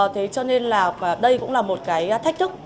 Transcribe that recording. thế cho nên là đây cũng là một cái thách thức